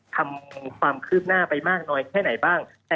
ทำความคืบหน้าไปมากน้อยแค่ไหนบ้าง